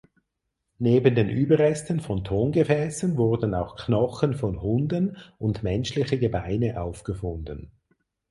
Neben den Überresten von Tongefäßen wurden auch Knochen von Hunden und menschliche Gebeine aufgefunden.